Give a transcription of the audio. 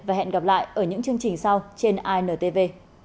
và hẹn gặp lại ở những chương trình sau trên intv